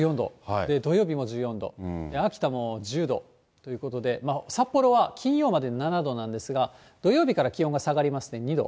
で、土曜日も１４度、秋田も１０度ということで、札幌は金曜まで７度なんですが、土曜日から気温が下がりまして、２度。